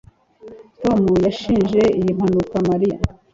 Tom yashinje iyi mpanuka Mariya